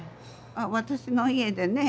私の家でね